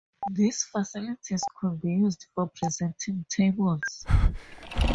These facilities could be used for presenting tables.